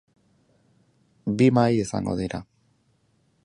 Bi mahai izango dira.